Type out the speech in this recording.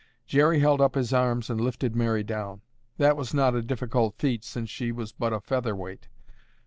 Jerry held up his arms and lifted Mary down. That was not a difficult feat since she was but a featherweight.